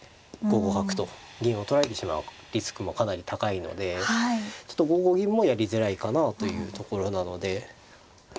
五角と銀を取られてしまうリスクもかなり高いのでちょっと５五銀もやりづらいかなというところなので。